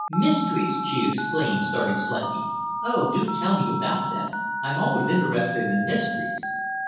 "Mysteries!" she exclaimed, starting slightly. "Oh, do tell me about them. I'm always interested in mysteries."